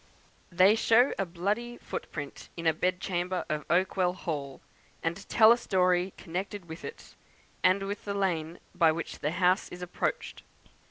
They show a bloody footprint in a bed chamber of Oakwell Hall, and tell a story connected with it, and with the lane by which the house is approached.